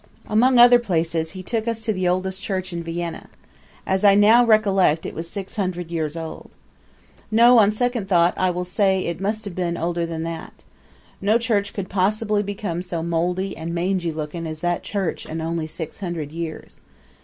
Among other places, he took us to the oldest church in Vienna. As I now recollect it was six hundred years old. No; on second thought I will say it must have been older than that. No church could possibly become so moldy and mangy looking as that church in only six hundred years.